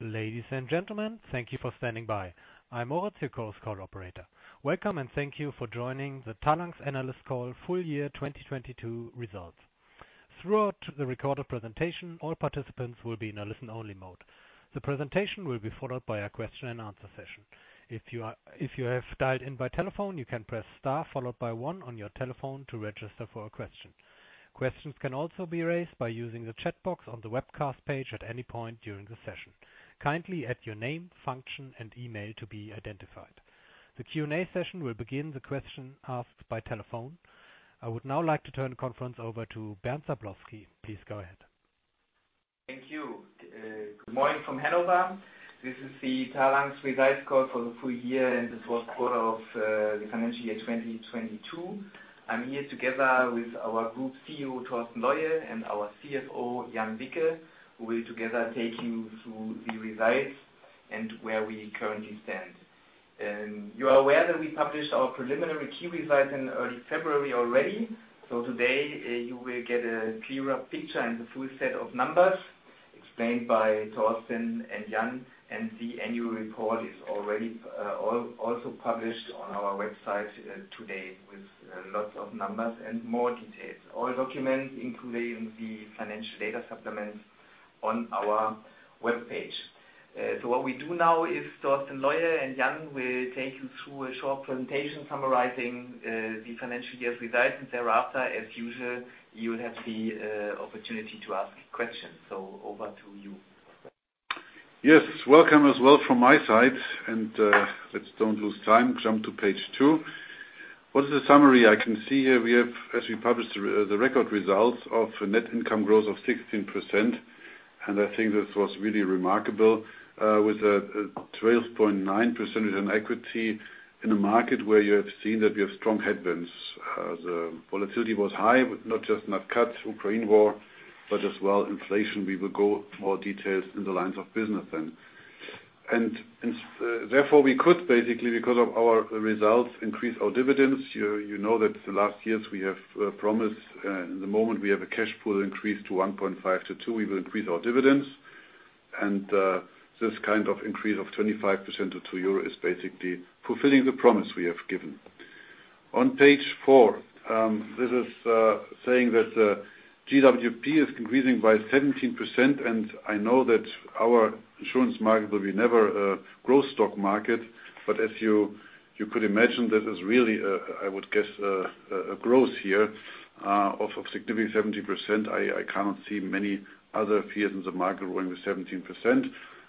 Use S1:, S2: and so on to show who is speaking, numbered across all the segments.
S1: Ladies and gentlemen, thank you for standing by. I'm Moritz, your call's call operator. Welcome, and thank you for joining the Talanx Analyst Call Full Year 2022 results. Throughout the recorded presentation, all participants will be in a listen-only mode. The presentation will be followed by a question-and-answer session. If you have dialed in by telephone, you can press star followed by one on your telephone to register for a question. Questions can also be raised by using the chat box on the webcast page at any point during the session. Kindly add your name, function, and email to be identified. The Q&A session will begin the question asked by telephone. I would now like to turn the conference over to Bernd Sablowsky. Please go ahead.
S2: Thank you. Good morning from Hanover. This is the Talanx results Call for the full year and the fourth quarter of the financial year 2022. I'm here together with our Group CEO, Torsten Leue, and our CFO, Jan Wicke, who will together take you through the results and where we currently stand. You are aware that we published our preliminary key results in early February already. Today, you will get a clearer picture and the full set of numbers explained by Torsten and Jan, and the annual report is already also published on our website today with lots of numbers and more details. All documents, including the financial data supplement on our webpage. What we do now is Torsten Leue and Jan will take you through a short presentation summarizing the financial year results. Thereafter, as usual, you will have the opportunity to ask questions. Over to you.
S3: Yes. Welcome as well from my side. Let's don't lose time. Jump to page two. What is the summary? I can see here we have, as we published the record results of net income growth of 16%, and I think this was really remarkable, with a 12.9% in equity in a market where you have seen that we have strong headwinds. The volatility was high, with not just NAV cuts, Ukraine war, but as well inflation. We will go more details in the lines of business then. Therefore, we could basically, because of our results, increase our dividends. You know that the last years we have promised the moment we have a cash flow increase to 1.5 to 2, we will increase our dividends. This kind of increase of 25% to 2 euro is basically fulfilling the promise we have given. On page four, this is saying that GWP is increasing by 17%. I know that our insurance market will be never a growth stock market, but as you could imagine, this is really a, I would guess, a growth here of significant 17%. I cannot see many other peers in the market growing with 17%.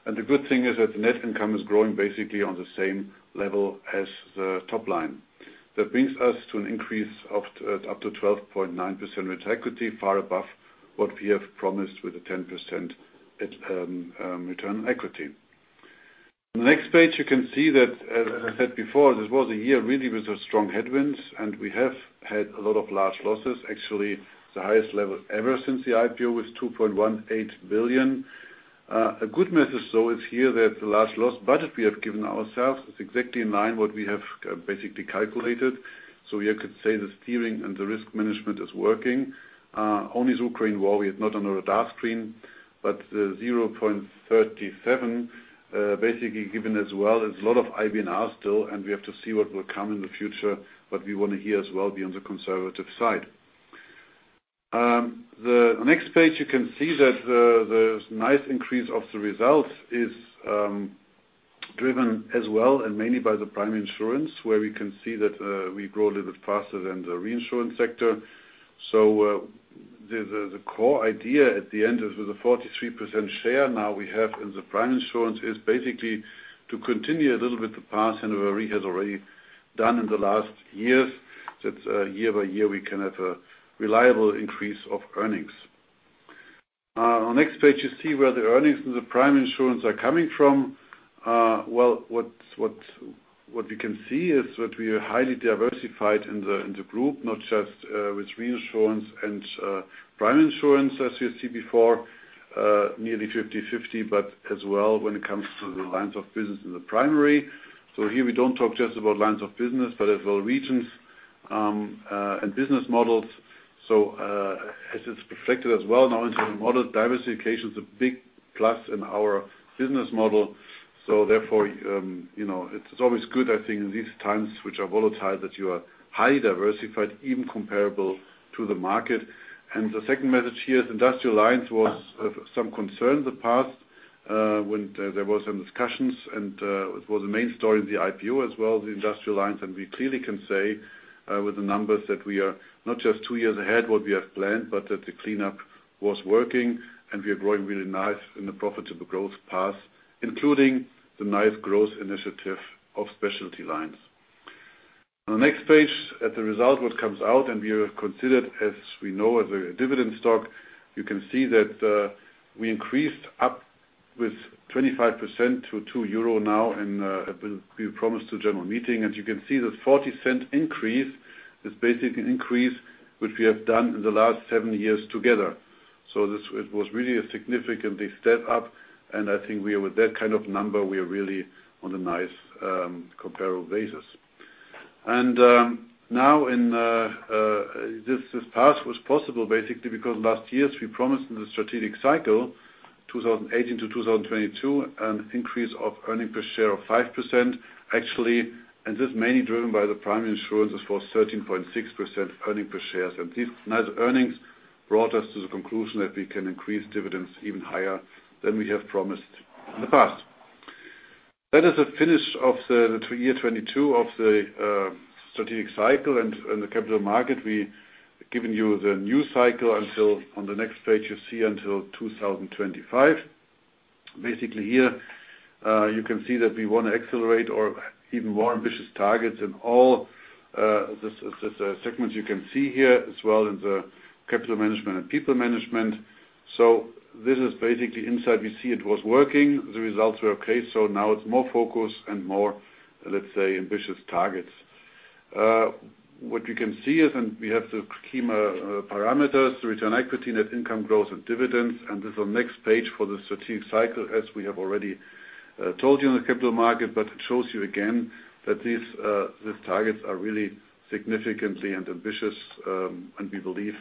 S3: The good thing is that the net income is growing basically on the same level as the top line. That brings us to an increase up to 12.9% return on equity, far above what we have promised with a 10% return on equity. On the next page, you can see that, as I said before, this was a year really with strong headwinds, and we have had a lot of large losses. Actually, the highest level ever since the IPO was 2.18 billion. A good message, though, is here that the large loss budget we have given ourselves is exactly in line what we have basically calculated. We could say the steering and the risk management is working. Only the Ukraine war we have not on our radar screen. The 0.37, basically given as well. There's a lot of IBNR still, and we have to see what will come in the future. We wanna here as well be on the conservative side. The next page, you can see that the nice increase of the results is driven as well and mainly by the prime insurance, where we can see that we grow a little bit faster than the reinsurance sector. The core idea at the end of the 43% share now we have in the prime insurance is basically to continue a little bit the path Hannover Re has already done in the last years. That year by year, we can have a reliable increase of earnings. On next page, you see where the earnings in the prime insurance are coming from. Well, what we can see is that we are highly diversified in the, in the group, not just with reinsurance and prime insurance, as you see before, nearly 50/50, but as well when it comes to the lines of business in the primary. Here we don't talk just about lines of business, but as well regions and business models. As it's reflected as well now into the model, diversification is a big plus in our business model. Therefore, you know, it's always good, I think, in these times, which are volatile, that you are highly diversified, even comparable to the market. The second message here is Industrial Lines was some concern in the past when there was some discussions and it was the main story in the IPO as well, the Industrial Lines. We clearly can say with the numbers that we are not just two years ahead what we have planned, but that the cleanup was working and we are growing really nice in the profitable growth path, including the nice growth initiative of specialty lines. On the next page, at the result, what comes out. We are considered, as we know, as a dividend stock. You can see that we increased up with 25% to 2 euro now and we promised to general meeting. As you can see, that 0.40 increase is basically an increase which we have done in the last seven years together. It was really a significantly step up, and I think we are with that kind of number, we are really on a nice comparable basis. Now in this path was possible basically because last years we promised in the strategic cycle, 2018-2022, an increase of earnings per share of 5%. Actually, and this is mainly driven by the primary insurance, is for 13.6% earnings per share. These nice earnings brought us to the conclusion that we can increase dividends even higher than we have promised in the past. That is the finish of the year 2022 of the strategic cycle and the capital market. We've given you the new cycle until, on the next page, you see until 2025. Basically here, you can see that we want to accelerate or even more ambitious targets in all, the segments you can see here, as well as the capital management and people management. This is basically inside, we see it was working, the results were okay. Now it's more focused and more, let's say, ambitious targets. What you can see is, we have the key parameters, return equity, net income growth, and dividends. This is on next page for the strategic cycle, as we have already told you in the capital market. It shows you again that these targets are really significantly and ambitious, and we believe,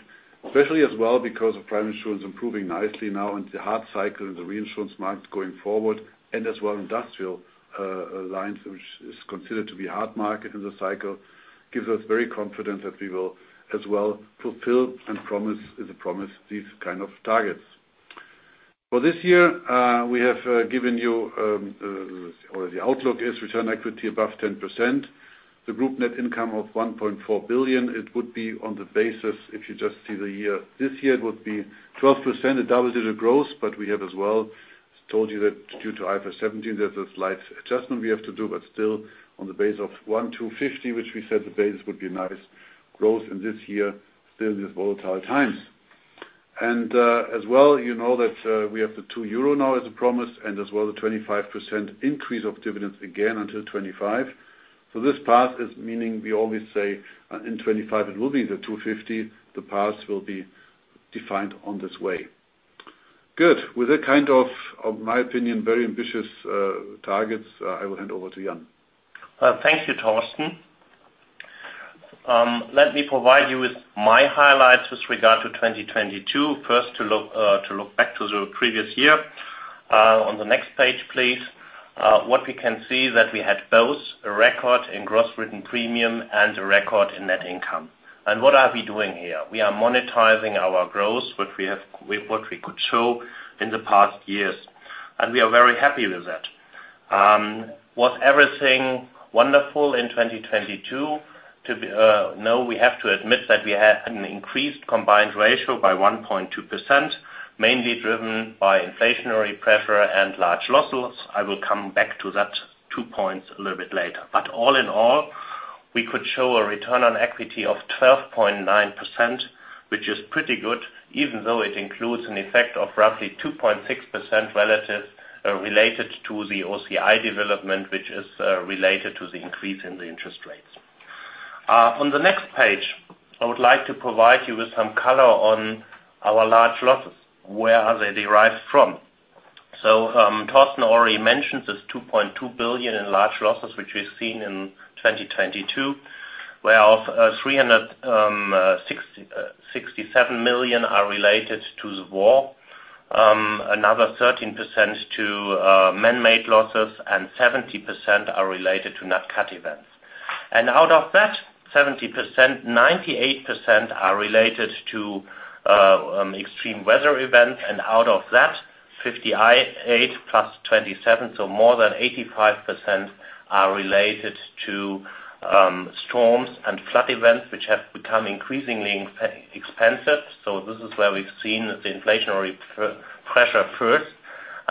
S3: especially as well because of primary insurance improving nicely now into hard cycle in the reinsurance market going forward, and as well Industrial Lines, which is considered to be hard market in the cycle, gives us very confident that we will as well fulfill and promise these kind of targets. For this year, we have given you, or the outlook is return equity above 10%. The group net income of 1.4 billion, it would be on the basis, if you just see the year. This year, it would be 12%, a double-digit growth. We have as well told you that due to IFRS 17, there's a slight adjustment we have to do, but still on the base of 1 to 50, which we said the base would be a nice growth in this year, still these volatile times. As well, you know that, we have the 2 euro now as a promise, and as well the 25% increase of dividends again until 2025. This path is meaning we always say in 2025, it will be the 2.50. The paths will be defined on this way. Good. With that kind of my opinion, very ambitious targets, I will hand over to Jan.
S4: Thank you, Torsten. Let me provide you with my highlights with regard to 2022. First, to look back to the previous year. On the next page, please. What we can see that we had both a record in gross written premium and a record in net income. What are we doing here? We are monetizing our growth, which we have, what we could show in the past years. We are very happy with that. Was everything wonderful in 2022? To be, no, we have to admit that we had an increased combined ratio by 1.2%, mainly driven by inflationary pressure and large losses. I will come back to that two points a little bit later. All in all, we could show a return on equity of 12.9%, which is pretty good, even though it includes an effect of roughly 2.6% relative related to the OCI development, which is related to the increase in the interest rates. On the next page, I would like to provide you with some color on our large losses, where are they derived from. Torsten already mentioned this 2.2 billion in large losses, which we've seen in 2022, where of 367 million are related to the war. Another 13% to man-made losses, and 70% are related to NatCat events. Out of that 70%, 98% are related to extreme weather events. Out of that, 58+ 27, so more than 85%, are related to storms and flood events, which have become increasingly expensive. This is where we've seen the inflationary pressure first.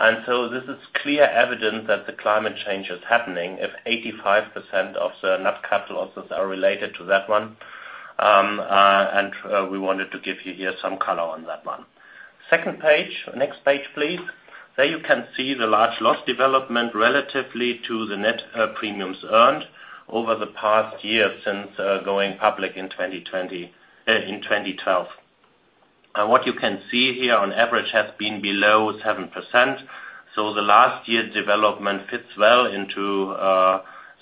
S4: This is clear evidence that the climate change is happening, if 85% of the NatCat losses are related to that one. We wanted to give you here some color on that one. Second page. Next page, please. There you can see the large loss development relatively to the net premiums earned over the past years since going public in 2012. What you can see here on average has been below 7%. The last year development fits well into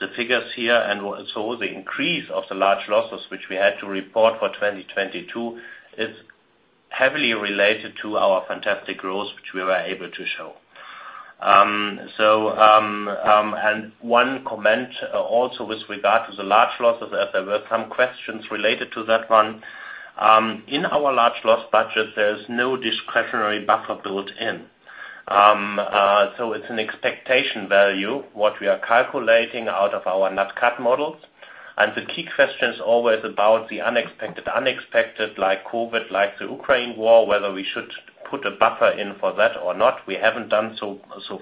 S4: the figures here. The increase of the large losses, which we had to report for 2022, is heavily related to our fantastic growth, which we were able to show. So, and one comment also with regard to the large losses, as there were some questions related to that one. In our large loss budget, there's no discretionary buffer built in. So it's an expectation value, what we are calculating out of our NatCat models. The key question is always about the unexpected. Unexpected like COVID, like the Ukraine war, whether we should put a buffer in for that or not. We haven't done so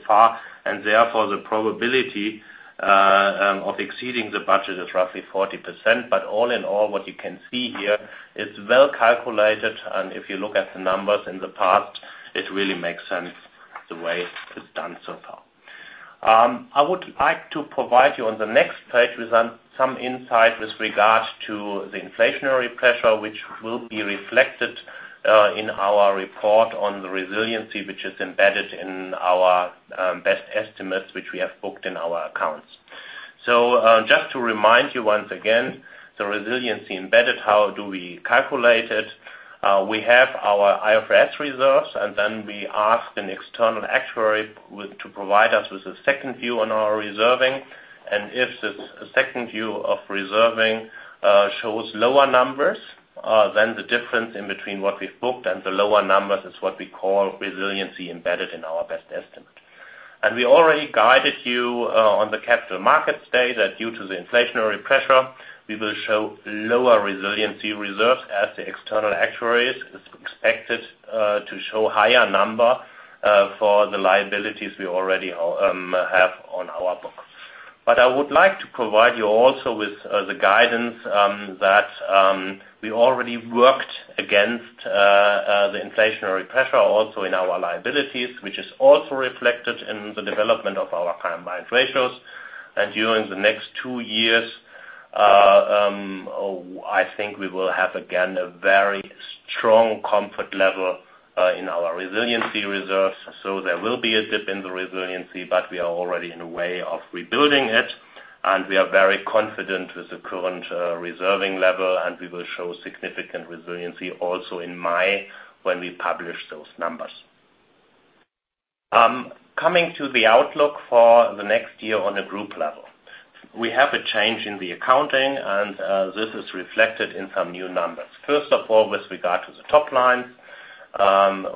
S4: far, and therefore, the probability of exceeding the budget is roughly 40%. All in all, what you can see here, it's well calculated. If you look at the numbers in the past, it really makes sense the way it's done so far. I would like to provide you on the next page with some insight with regards to the inflationary pressure, which will be reflected in our report on the resiliency, which is embedded in our best estimates, which we have booked in our accounts. Just to remind you once again, the resiliency embedded, how do we calculate it? We have our IFRS reserves, and then we ask an external actuary to provide us with a second view on our reserving. If the second view of reserving shows lower numbers, then the difference in between what we've booked and the lower numbers is what we call resiliency embedded in our best estimate. We already guided you on the Capital Markets Day that due to the inflationary pressure, we will show lower resilience reserves as the external actuaries is expected to show higher number for the liabilities we already have on our books. I would like to provide you also with the guidance that we already worked against the inflationary pressure also in our liabilities, which is also reflected in the development of our combined ratios. During the next two years, I think we will have, again, a very strong comfort level in our resilience reserves. There will be a dip in the resiliency, but we are already in a way of rebuilding it, and we are very confident with the current reserving level, and we will show significant resiliency also in May when we publish those numbers. Coming to the outlook for the next year on a group level. We have a change in the accounting, and this is reflected in some new numbers. First of all, with regard to the top line,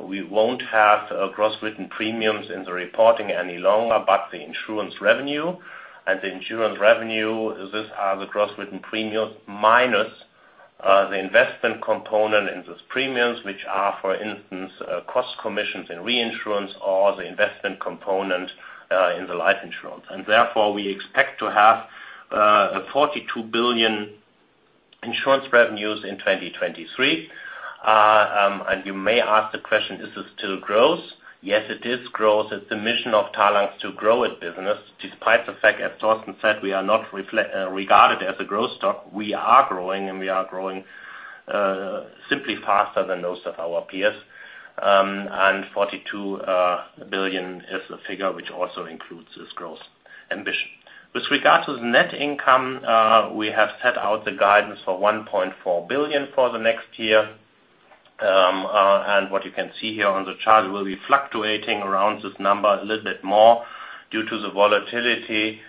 S4: we won't have gross written premiums in the reporting any longer, but the insurance revenue. The insurance revenue, this are the gross written premiums minus the investment component in those premiums, which are, for instance, ceding commissions in reinsurance or the investment component in the life insurance. Therefore, we expect to have 42 billion insurance revenues in 2023. You may ask the question, is this still growth? Yes, it is growth. It's the mission of Talanx to grow its business. Despite the fact, as Torsten said, we are not regarded as a growth stock, we are growing, and we are growing simply faster than those of our peers. 42 billion is the figure which also includes this growth ambition. With regard to the net income, we have set out the guidance for 1.4 billion for the next year. What you can see here on the chart, we'll be fluctuating around this number a little bit more due to the volatility,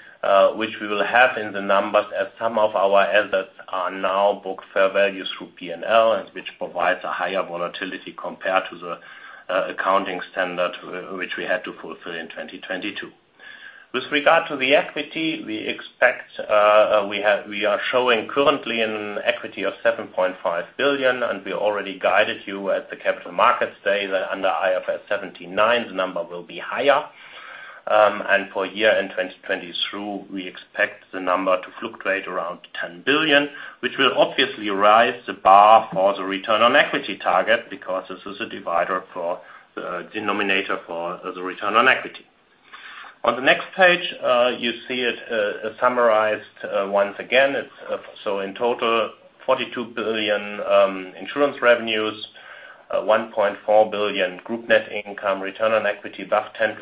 S4: which we will have in the numbers as some of our assets are now book fair values through P&L, and which provides a higher volatility compared to the accounting standard which we had to fulfill in 2022. With regard to the equity, we expect, we are showing currently an equity of 7.5 billion, and we already guided you at the capital markets day that under IFRS 17 / IFRS 9, the number will be higher. For year-end 2023, we expect the number to fluctuate around 10 billion, which will obviously raise the bar for the return on equity target because this is a divider for denominator for the return on equity. On the next page, you see it summarized once again. It's in total, 42 billion insurance revenues, 1.4 billion group net income, return on equity above 10%.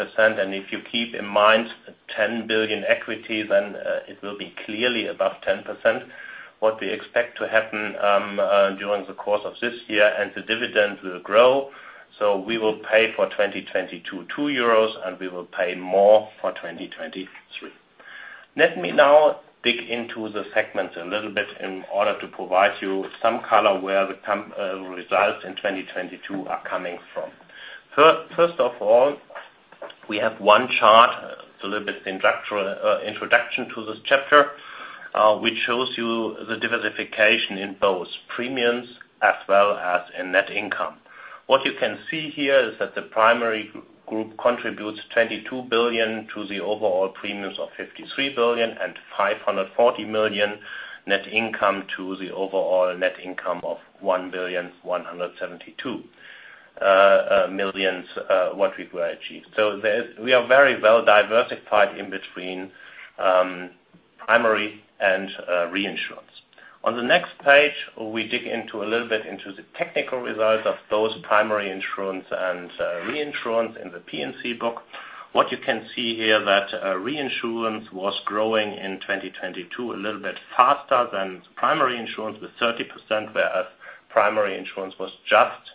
S4: If you keep in mind the 10 billion equity, it will be clearly above 10%, what we expect to happen during the course of this year, and the dividend will grow. We will pay for 2022, 2 euros, and we will pay more for 2023. Let me now dig into the segments a little bit in order to provide you some color where the results in 2022 are coming from. First of all, we have one chart. It's a little bit introductorial introduction to this chapter, which shows you the diversification in both premiums as well as in net income. What you can see here is that the primary group contributes 22 billion to the overall premiums of 53 billion and 540 million net income to the overall net income of 1.172 billion, what we were achieved. We are very well diversified in between primary and reinsurance. On the next page, we dig into a little bit into the technical results of those primary insurance and reinsurance in the P&C book. What you can see here that reinsurance was growing in 2022 a little bit faster than primary insurance with 30%, whereas primary insurance was just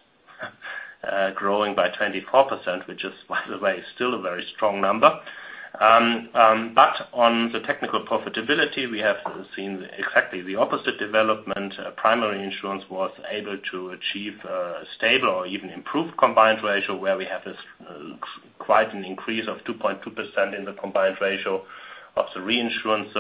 S4: growing by 24%, which is, by the way, still a very strong number. On the technical profitability, we have seen exactly the opposite development. Primary insurance was able to achieve a stable or even improved combined ratio, where we have this quite an increase of 2.2% in the combined ratio of the reinsurance.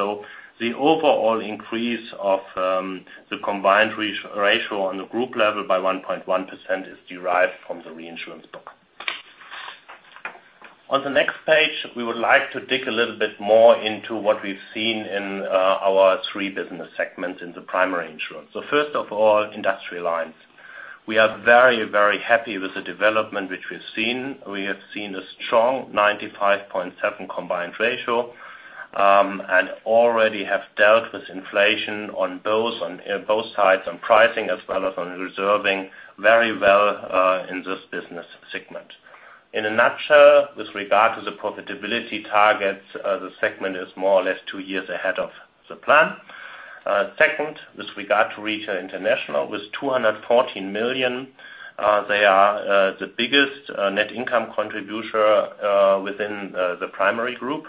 S4: The overall increase of the combined ratio on the group level by 1.1% is derived from the reinsurance book. On the next page, we would like to dig a little bit more into what we've seen in our three business segments in the primary insurance. First of all, Industrial Lines. We are very, very happy with the development which we've seen. We have seen a strong 95.7% combined ratio and already have dealt with inflation on both sides, on pricing as well as on reserving very well in this business. segment. In a nutshell, with regard to the profitability targets, the segment is more or less two years ahead of the plan. Second, with regard to Retail International, with 214 million, they are the biggest net income contributor within the primary group.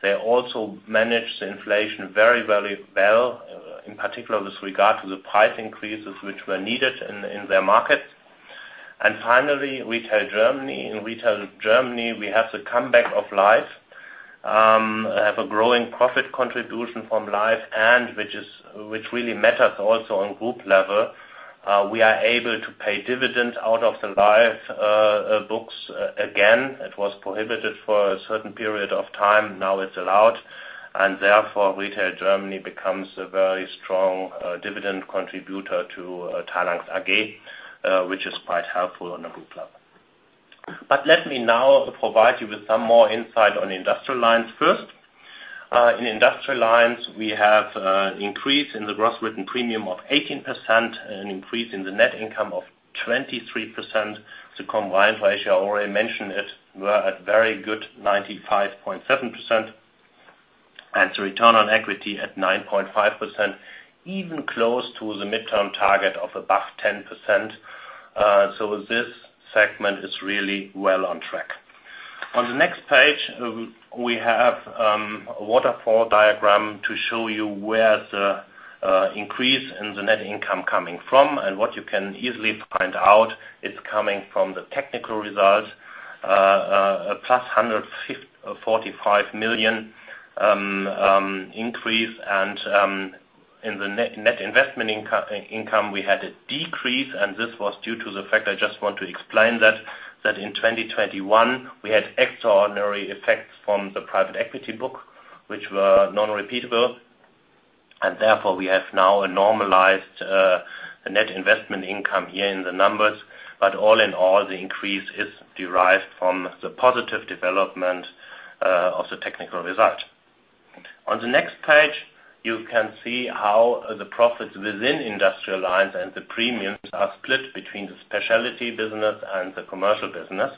S4: They also manage the inflation very, very well, in particular with regard to the price increases which were needed in their market. Finally, Retail Germany. In Retail Germany, we have the comeback of life. Have a growing profit contribution from life which really matters also on group level. We are able to pay dividends out of the life books again. It was prohibited for a certain period of time, now it's allowed. Therefore, Retail Germany becomes a very strong dividend contributor to TARGOBANK AG which is quite helpful on a group level. Let me now provide you with some more insight on Industrial Lines first. In Industrial Lines, we have increase in the gross written premium of 18% and an increase in the net income of 23%. The combined ratio, I already mentioned it, were at very good 95.7%, and the return on equity at 9.5%, even close to the midterm target of above 10%. This segment is really well on track. On the next page, we have a waterfall diagram to show you where the increase in the net income coming from, and what you can easily find out, it's coming from the technical results, +145 million increase. In the net investment income, we had a decrease, and this was due to the fact, I just want to explain that in 2021, we had extraordinary effects from the private equity book, which were non-repeatable. Therefore, we have now a normalized net investment income here in the numbers. All in all, the increase is derived from the positive development of the technical result. On the next page, you can see how the profits within Industrial Lines and the premiums are split between the specialty business and the commercial business.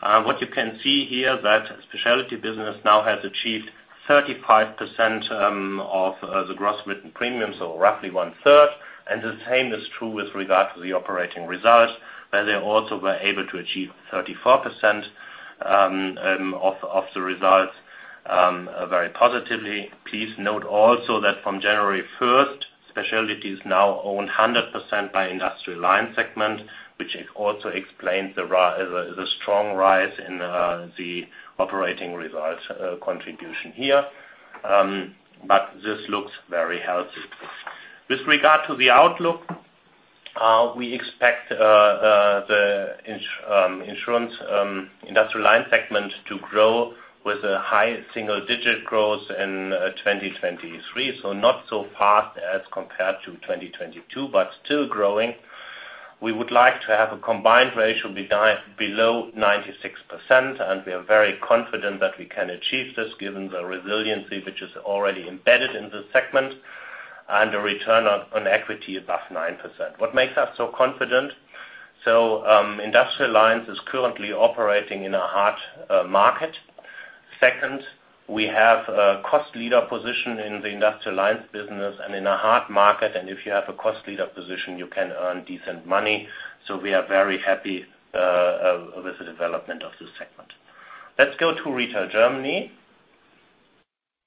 S4: What you can see here that Specialty Business now has achieved 35% of the gross written premiums, so roughly one-third. The same is true with regard to the operating results, where they also were able to achieve 34% of the results very positively. Please note also that from January first, Specialty is now owned 100% by Industrial Lines segment, which also explains the strong rise in the operating results contribution here. This looks very healthy. With regard to the outlook, we expect the insurance Industrial Lines segment to grow with a high single digit growth in 2023. Not so fast as compared to 2022, but still growing. We would like to have a combined ratio be below 96%, we are very confident that we can achieve this given the resiliency which is already embedded in this segment, and a return on equity above 9%. What makes us so confident? Industrial Lines is currently operating in a hard market. Second, we have a cost leader position in the Industrial Lines business and in a hard market. If you have a cost leader position, you can earn decent money. We are very happy with the development of this segment. Let's go to Retail Germany.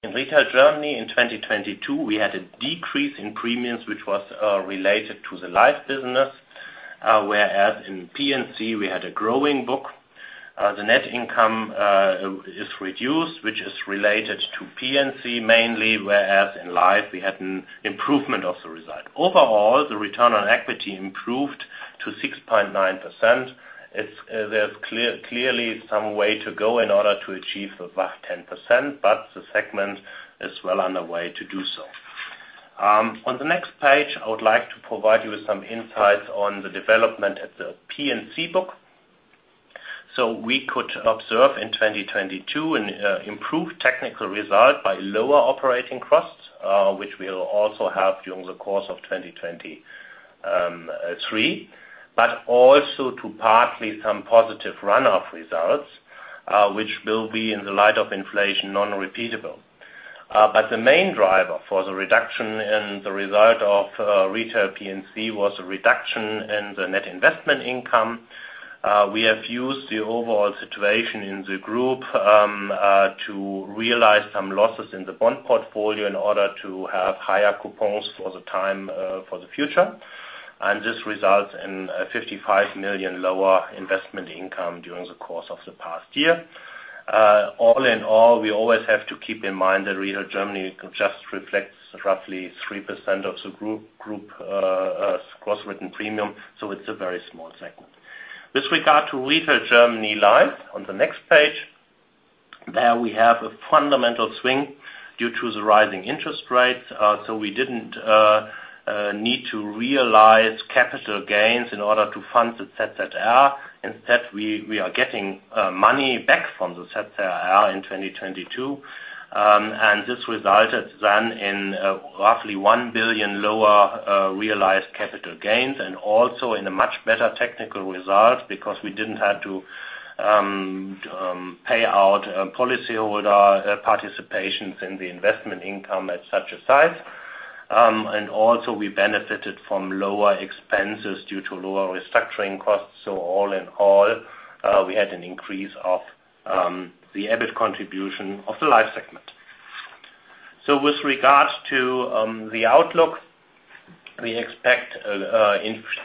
S4: In Retail Germany in 2022, we had a decrease in premiums, which was related to the life business. Whereas in P&C, we had a growing book. The net income is reduced, which is related to P&C mainly, whereas in Life, we had an improvement of the result. Overall, the return on equity improved to 6.9%. It's clearly some way to go in order to achieve above 10%, but the segment is well on the way to do so. On the next page, I would like to provide you with some insights on the development at the P&C book. So we could observe in 2022, an improved technical result by lower operating costs, which we'll also have during the course of 2023. Also to partly some positive run-off results, which will be in the light of inflation non-repeatable. The main driver for the reduction in the result of Retail P&C was a reduction in the net investment income. We have used the overall situation in the group to realize some losses in the bond portfolio in order to have higher coupons for the time for the future. This results in a 55 million lower investment income during the course of the past year. All in all, we always have to keep in mind that Retail Germany just reflects roughly 3% of the group gross written premium. It's a very small segment. With regard to Retail Germany Life, on the next page, there we have a fundamental swing due to the rising interest rates. We didn't need to realize capital gains in order to fund the ZZR. Instead, we are getting money back from the ZZR in 2022. This resulted then in roughly 1 billion lower realized capital gains, and also in a much better technical result because we didn't have to pay out policyholder participations in the investment income at such a size. Also we benefited from lower expenses due to lower restructuring costs. All in all, we had an increase of the EBIT contribution of the life segment. With regards to the outlook, we expect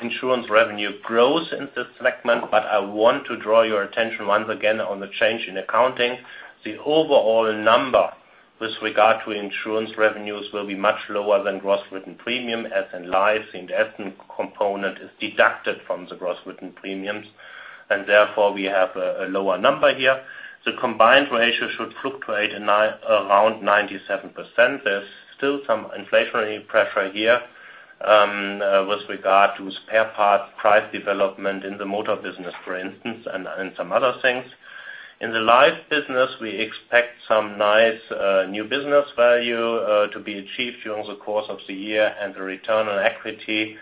S4: insurance revenue growth in this segment. I want to draw your attention once again on the change in accounting. The overall number with regard to insurance revenues will be much lower than gross written premium, as in Life and Essen component is deducted from the gross written premiums, therefore we have a lower number here. The combined ratio should fluctuate around 97%. There's still some inflationary pressure here with regard to spare part price development in the motor business, for instance, and some other things. In the life business, we expect some nice new business value to be achieved during the course of the year, the return on equity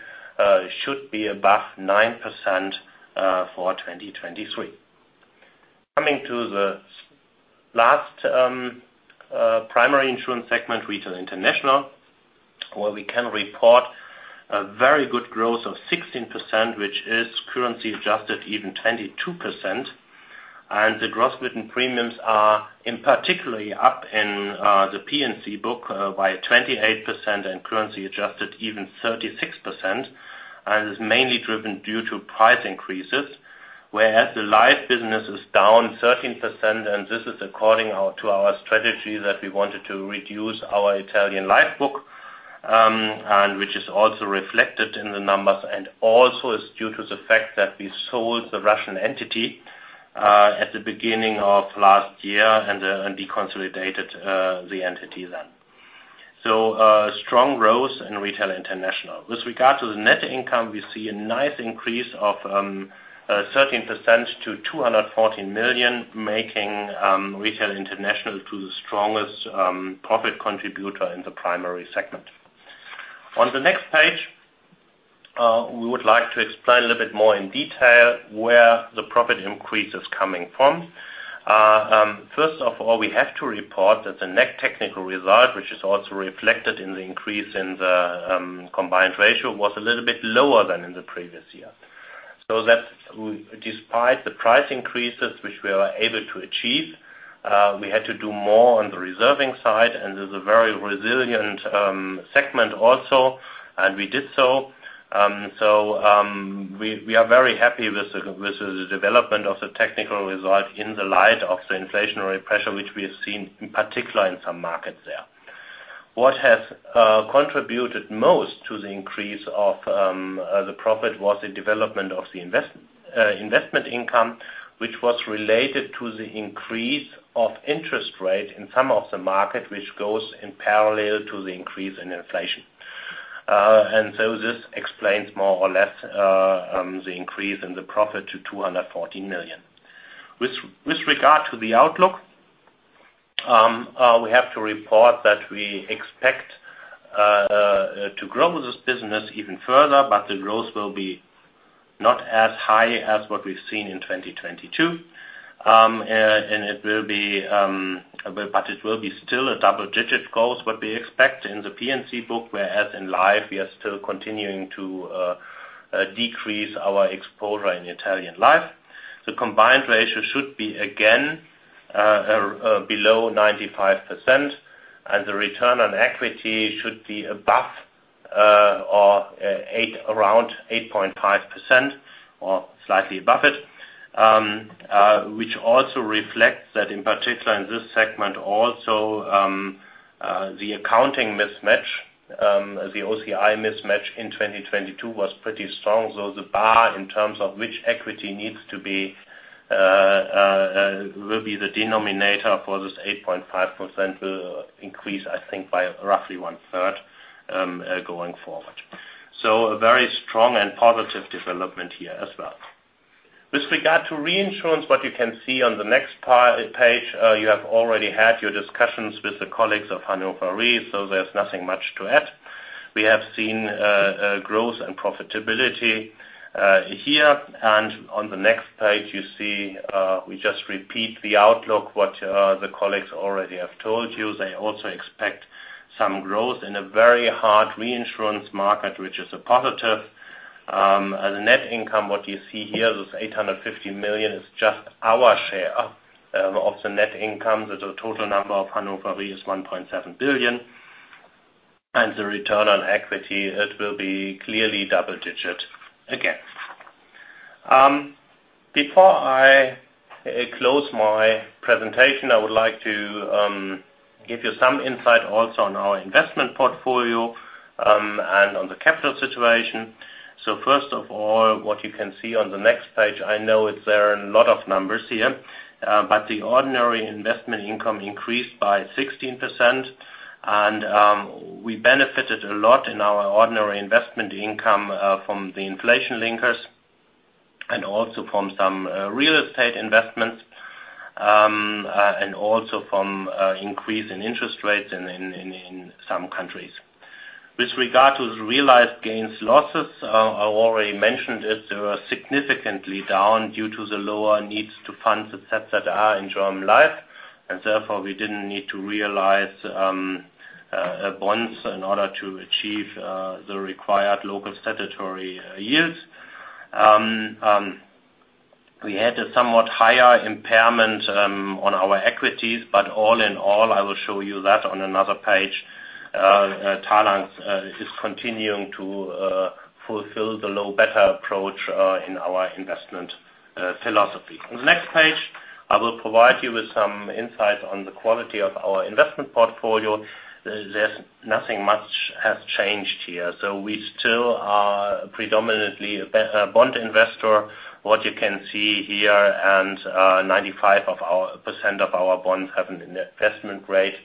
S4: should be above 9% for 2023. Coming to the last primary insurance segment, Retail International, where we can report a very good growth of 16%, which is currency adjusted even 22%. The gross written premiums are, in particularly, up in the P&C book by 28% and currency adjusted even 36%. It's mainly driven due to price increases, whereas the life business is down 13%, and this is according to our strategy that we wanted to reduce our Italian life book, which is also reflected in the numbers. Also is due to the fact that we sold the Russian entity at the beginning of last year and deconsolidated the entity then. Strong growth in Retail International. With regard to the net income, we see a nice increase of 13% to 214 million, making Retail International to the strongest profit contributor in the primary segment. On the next page, we would like to explain a little bit more in detail where the profit increase is coming from. First of all, we have to report that the net technical result, which is also reflected in the increase in the combined ratio, was a little bit lower than in the previous year. Despite the price increases which we are able to achieve, we had to do more on the reserving side, and this is a very resilient segment also, and we did so. We are very happy with the development of the technical result in the light of the inflationary pressure which we have seen, in particular in some markets there. What has contributed most to the increase of the profit was the development of the investment income, which was related to the increase of interest rate in some of the market, which goes in parallel to the increase in inflation. This explains more or less the increase in the profit to 214 million. With regard to the outlook, we have to report that we expect to grow this business even further, but the growth will be not as high as what we've seen in 2022. It will be, but it will be still a double-digit growth, what we expect in the P&C book, whereas in Life, we are still continuing to decrease our exposure in Italian Life. The combined ratio should be again below 95%. The return on equity should be above, or around 8.5% or slightly above it. Which also reflects that in particular in this segment also, the accounting mismatch, the OCI mismatch in 2022 was pretty strong. The bar in terms of which equity needs to be, will be the denominator for this 8.5% will increase, I think, by roughly one-third, going forward. A very strong and positive development here as well. With regard to reinsurance, what you can see on the next page, you have already had your discussions with the colleagues of Hannover Re. There's nothing much to add. We have seen growth and profitability here. On the next page, you see, we just repeat the outlook, what the colleagues already have told you. They also expect some growth in a very hard reinsurance market, which is a positive. As a net income, what you see here, this 850 million, is just our share of the net income. The total number of Hannover Re is 1.7 billion. The return on equity, it will be clearly double-digit again. Before I close my presentation, I would like to give you some insight also on our investment portfolio and on the capital situation. First of all, what you can see on the next page, I know there are a lot of numbers here. The ordinary investment income increased by 16% and we benefited a lot in our ordinary investment income from the inflation linkers. Also from some real estate investments and also from increase in interest rates in some countries. With regard to the realized gains, losses, I already mentioned it, they were significantly down due to the lower needs to fund the assets that are in German Life, and therefore, we didn't need to realize bonds in order to achieve the required local statutory yields. We had a somewhat higher impairment on our equities, but all in all, I will show you that on another page. Talanx is continuing to fulfill the low beta approach in our investment philosophy. On the next page, I will provide you with some insight on the quality of our investment portfolio. There's nothing much has changed here. We still are predominantly a bond investor. What you can see here, 95% of our bonds have an investment grade,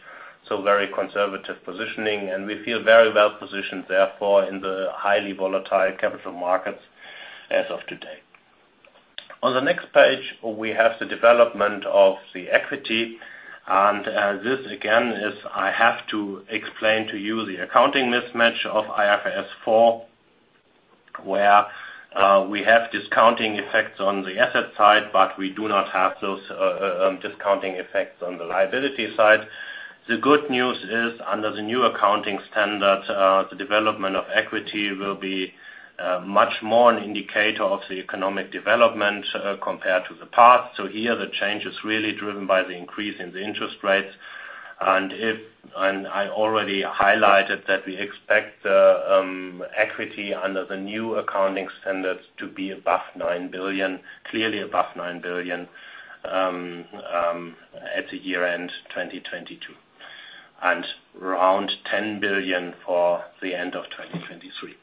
S4: so very conservative positioning, and we feel very well positioned, therefore, in the highly volatile capital markets as of today. On the next page, we have the development of the equity. This again is, I have to explain to you the accounting mismatch of IFRS 4, where we have discounting effects on the asset side, but we do not have those discounting effects on the liability side. The good news is, under the new accounting standards, the development of equity will be much more an indicator of the economic development compared to the past. Here, the change is really driven by the increase in the interest rates. I already highlighted that we expect the equity under the new accounting standards to be above 9 billion, clearly above 9 billion, at the year end, 2022, and around 10 billion for the end of 2023.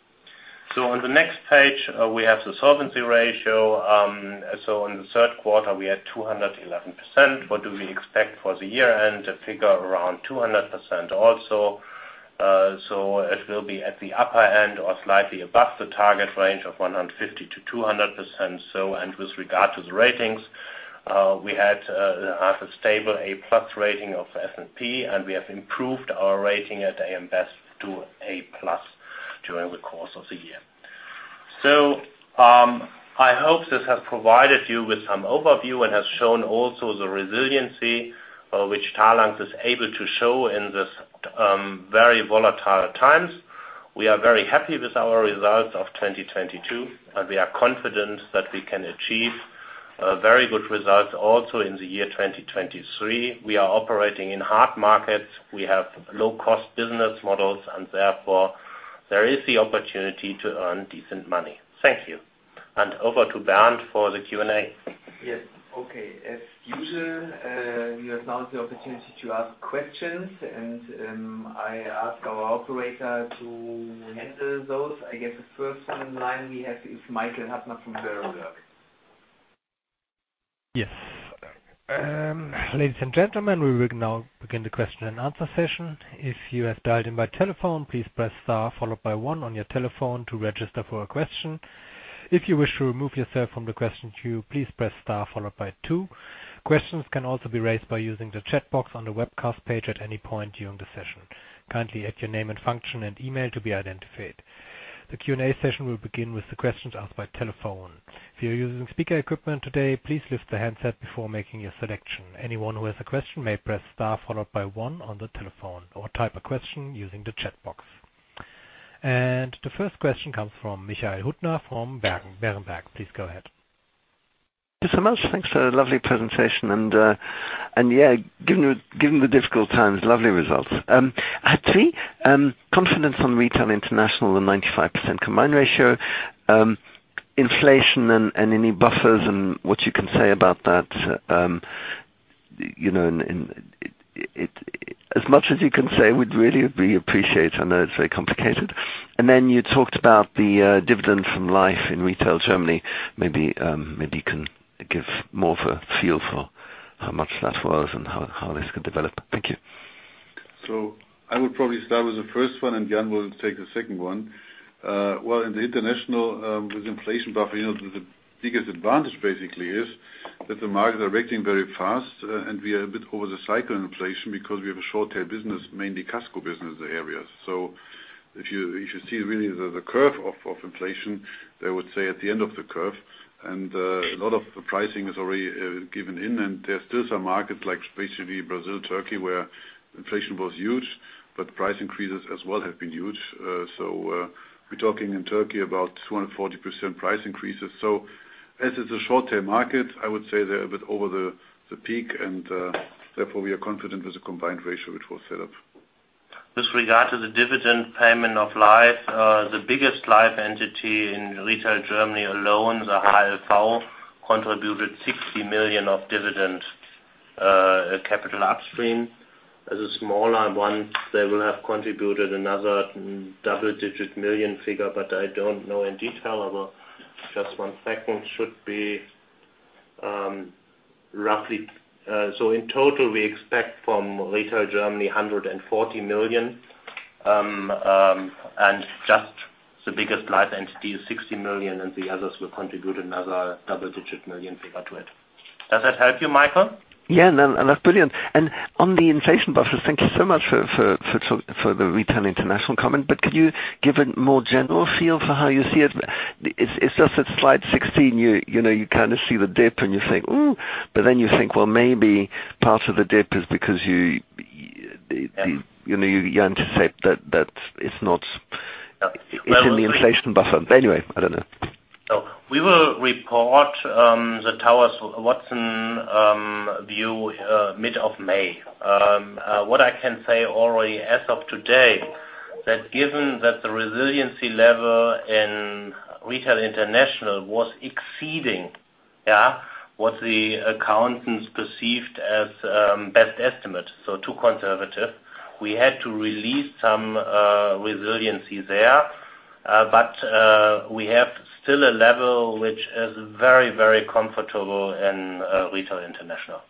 S4: On the next page, we have the solvency ratio. In the third quarter, we had 211%. What do we expect for the year end? A figure around 200% also. It will be at the upper end or slightly above the target range of 150%-200%. With regard to the ratings, we had a stable A+ rating of S&P, and we have improved our rating at AM Best to A+ during the course of the year. I hope this has provided you with some overview and has shown also the resiliency, which Talanx is able to show in this very volatile times. We are very happy with our results of 2022, we are confident that we can achieve very good results also in the year 2023. We are operating in hard markets. We have low-cost business models, therefore, there is the opportunity to earn decent money. Thank you. Over to Bernd for the Q&A.
S2: Yes. Okay. As usual, you have now the opportunity to ask questions, and I ask our operator to handle those. I guess the first one in line we have is Michael Huttner from Berenberg.
S1: Yes. Ladies and gentlemen, we will now begin the question and answer session. If you have dialed in by telephone, please press star followed by one on your telephone to register for a question. If you wish to remove yourself from the question queue, please press star followed by two. Questions can also be raised by using the chat box on the webcast page at any point during the session. Kindly add your name and function and email to be identified. The Q&A session will begin with the questions asked by telephone. If you're using speaker equipment today, please lift the handset before making your selection. Anyone who has a question may press star followed by one on the telephone or type a question using the chat box. The first question comes from Michael Huttner from Berenberg. Please go ahead.
S5: Thank you so much. Thanks for the lovely presentation. Yeah, given the, given the difficult times, lovely results. I had three. Confidence on Retail International and 95% combined ratio, inflation and any buffers and what you can say about that, you know, as much as you can say, we'd really, really appreciate. I know it's very complicated. Then you talked about the dividend from Life in Retail Germany. Maybe maybe you can give more of a feel for how much that was and how this could develop. Thank you.
S3: I would probably start with the first one, and Jan Wicke will take the second one. Well, in the international, with inflation buffer, you know, the biggest advantage basically is that the markets are reacting very fast, and we are a bit over the cycle inflation because we have a short-tail business, mainly Casco business areas. If you see really the curve of inflation, they would say at the end of the curve. A lot of the pricing is already given in, and there are still some markets, like basically Brazil, Turkey, where inflation was huge, but price increases as well have been huge. We're talking in Turkey about 240% price increases. As it's a short-term market, I would say they're a bit over the peak and, therefore, we are confident with the combined ratio which was set up.
S4: With regard to the dividend payment of Life, the biggest Life entity in Retail Germany alone, the HLV, contributed 60 million of dividend, capital upstream. As a smaller one, they will have contributed another double-digit million figure, but I don't know in detail. However, just one second should be. Roughly, in total, we expect from Retail Germany 140 million, and just the biggest live entity is 60 million, and the others will contribute another double-digit million figure to it. Does that help you, Michael?
S5: Yeah. No, that's brilliant. On the inflation buffer, thank you so much for the Retail International comment, could you give a more general feel for how you see it? It's just at slide 16, you know, you kinda see the dip and you think, "Ooh," you think, "Well, maybe part of the dip is because you.
S4: Yeah.
S5: You know, you anticipate that.
S4: Well, we
S5: It's in the inflation buffer. Anyway, I don't know.
S4: We will report the Willis Towers Watson view mid of May. What I can say already as of today, that given that the resiliency level in Retail International was exceeding, yeah, what the accountants perceived as best estimate, so too conservative. We had to release some resiliency there. We have still a level which is very, very comfortable in Retail International.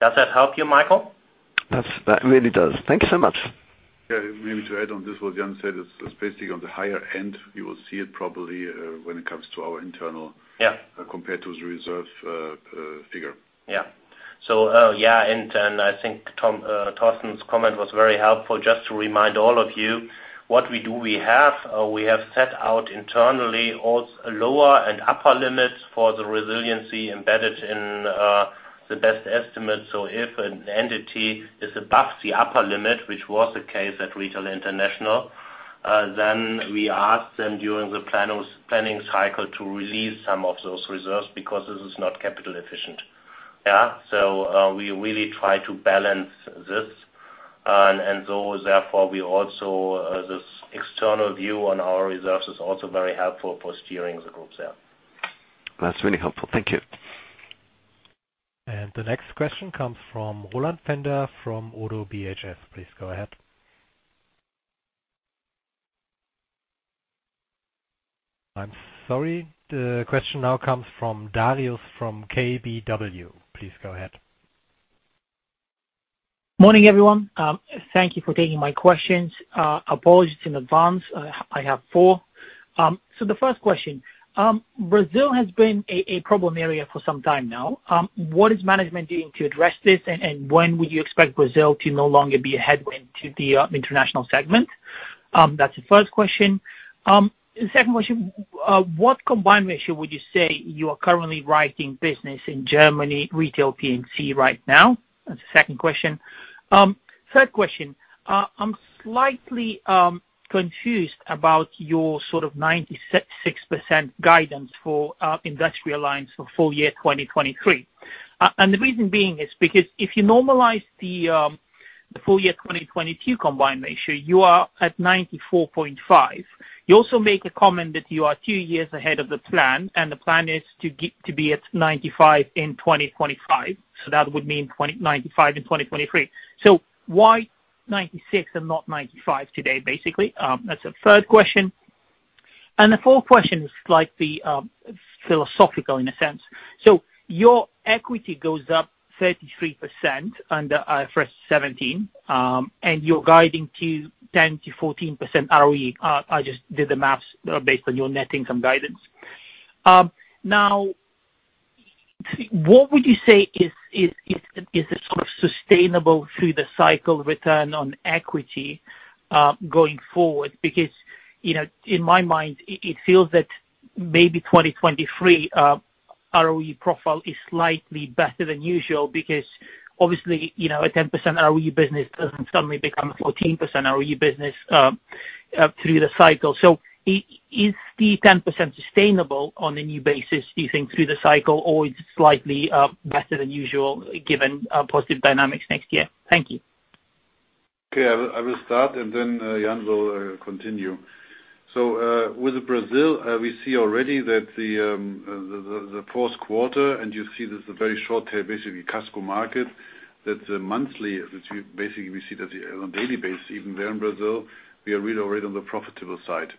S4: Does that help you, Michael?
S5: That really does. Thank you so much.
S3: Yeah. Maybe to add on, this is what Jan said, it's basically on the higher end. You will see it probably, when it comes to our internal.
S4: Yeah
S3: ...compared to the reserve figure.
S4: Yeah. And then I think Tom, Torsten's comment was very helpful. Just to remind all of you, what we do, we have, we have set out internally also lower and upper limits for the resiliency embedded in the best estimate. If an entity is above the upper limit, which was the case at Retail International, then we ask them during the planning cycle to release some of those reserves because this is not capital efficient. Yeah? We really try to balance this. Therefore, we also, this external view on our reserves is also very helpful for steering the group sale.
S5: That's really helpful. Thank you.
S1: The next question comes from Roland Pfänder from ODDO BHF. Please go ahead. I'm sorry. The question now comes from Darius, from KBW. Please go ahead.
S6: Morning, everyone. Thank you for taking my questions. Apologies in advance. I have four. The first question. Brazil has been a problem area for some time now. What is management doing to address this? When would you expect Brazil to no longer be a headwind to the international segment? That's the first question. The second question. What combined ratio would you say you are currently writing business in Retail Germany P&C right now? That's the second question. Third question. I'm slightly confused about your sort of 96% guidance for Industrial Lines for full year 2023. The reason being is because if you normalize the full year 2022 combined ratio, you are at 94.5. You also make a comment that you are two years ahead of the plan, and the plan is to be at 95 in 2025, so that would mean 95 in 2023. Why 96 and not 95 today, basically? That's the third question. The fourth question is slightly philosophical in a sense. Your equity goes up 33% under IFRS 17, and you're guiding to 10%-14% ROE. I just did the math based on your net income guidance. Now what would you say is a sort of sustainable through the cycle return on equity going forward? You know, in my mind, it feels that maybe 2023 ROE profile is slightly better than usual because obviously, you know, a 10% ROE business doesn't suddenly become a 14% ROE business through the cycle. Is the 10% sustainable on a new basis, do you think, through the cycle, or is it slightly better than usual given positive dynamics next year? Thank you.
S3: Okay. I will start, and then Jan will continue. With Brazil, we see already that the fourth quarter, and you see there's a very short tail, basically Casco market, that the monthly, which we basically we see that on a daily basis, even there in Brazil, we are really already on the profitable side.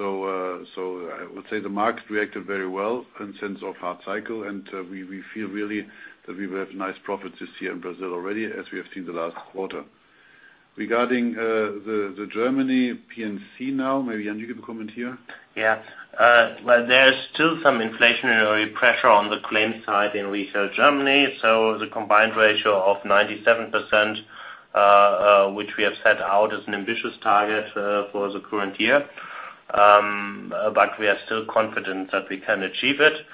S3: I would say the market reacted very well in sense of hard cycle, and we feel really that we will have nice profits this year in Brazil already, as we have seen the last quarter. Regarding the Germany P&C now, maybe Jan, you give a comment here.
S4: Yeah. Well, there is still some inflationary pressure on the claim side in Retail Germany, the combined ratio of 97%, which we have set out as an ambitious target for the current year. We are still confident that we can achieve it.